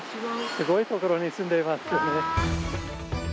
すごいところに住んでいますけどね。